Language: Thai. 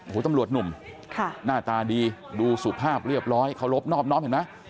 โอ้โหตำรวจหนุ่มหน้าตาดีดูสุภาพเรียบร้อยเคารพนอบน้อมเห็นไหม